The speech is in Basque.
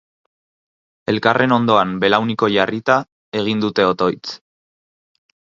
Elkarren ondoan, belauniko jarrita, egin dute otoitz.